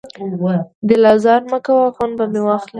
دل ازاري مه کوه، خون به مې واخلې